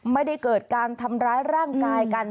ไม่ได้เกิดการทำร้ายร่างกายกัน